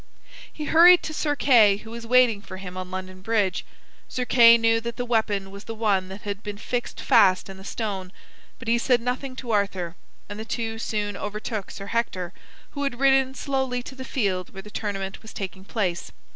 He hurried to Sir Kay, who was waiting for him on London bridge. Sir Kay knew that the weapon was the one that had been fixed fast in the stone, but he said nothing to Arthur, and the two soon overtook Sir Hector, who had ridden slowly to the field where the tournament was taking place.